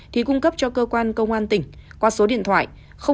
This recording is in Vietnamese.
thì cung cấp cho cơ quan công an tỉnh qua số điện thoại chín một tám bốn bốn sáu chín một một